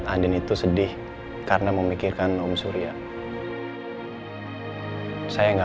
andien ngapain ke kuburan